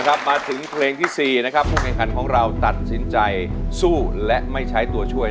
มาถึงเพลงที่๔นะครับผู้แข่งขันของเราตัดสินใจสู้และไม่ใช้ตัวช่วย